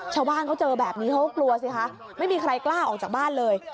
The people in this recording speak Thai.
ชาวบ้านเขาเจอแบบนี้เขาก็กลัวสิคะไม่มีใครกล้าออกจากบ้านเลย